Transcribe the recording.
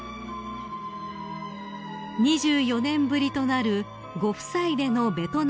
［２４年ぶりとなるご夫妻でのベトナムご訪問］